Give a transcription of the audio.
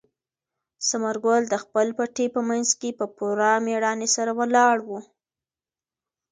ثمر ګل د خپل پټي په منځ کې په پوره مېړانې سره ولاړ و.